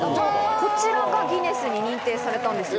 こちらがギネスに認定されたんですよ。